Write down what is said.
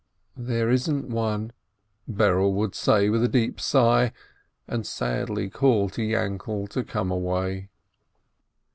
"There isn't one !" Berele would say with a deep sigh, and sadly call to Yainkele to come away.